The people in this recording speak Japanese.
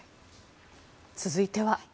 続いては。